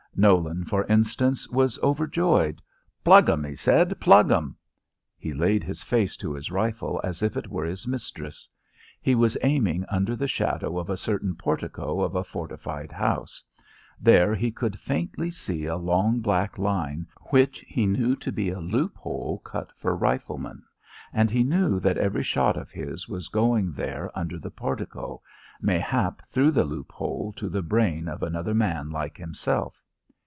Nolan, for instance, was overjoyed. "Plug 'em," he said: "Plug 'em." He laid his face to his rifle as if it were his mistress. He was aiming under the shadow of a certain portico of a fortified house: there he could faintly see a long black line which he knew to be a loop hole cut for riflemen, and he knew that every shot of his was going there under the portico, mayhap through the loop hole to the brain of another man like himself.